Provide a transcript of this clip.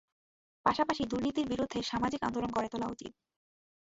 পাশাপাশি দুর্নীতির বিরুদ্ধে সামাজিক আন্দোলন গড়ে তোলা উচিত।